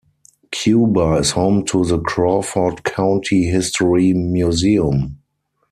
Cuba is home to the Crawford County History Museum.